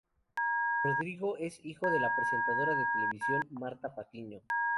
Rodrigo es hijo de la presentadora de televisión, Mirtha Patiño.